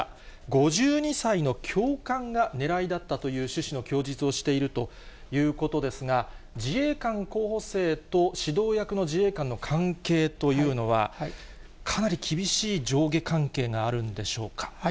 ５２歳の教官が狙いだったという趣旨の供述をしているということですが、自衛官候補生と指導役の自衛官の関係というのは、かなり厳しい上下関係があるんでしょうか。